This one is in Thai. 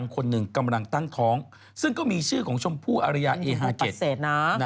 คนหนึ่งกำลังตั้งท้องซึ่งก็มีชื่อของชมพู่อริยาเอฮาเกจนะ